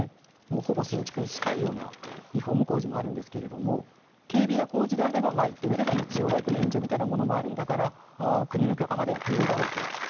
ほぼ新築に近いようなリフォーム工事もあるのですが軽微な工事であれば言ってみれば日曜大工の延長みたいなものもあるんだから国の許可までは不要だろうと。